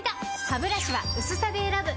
ハブラシは薄さで選ぶ！